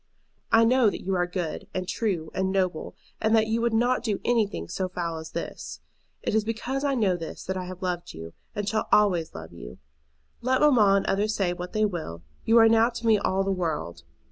I know that you are good, and true, and noble, and that you would not do anything so foul as this. It is because I know this that I have loved you, and shall always love you. Let mamma and others say what they will, you are now to me all the world.